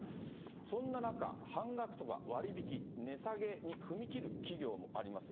そんな中、半額とか割引、値下げに踏み切る企業もあります。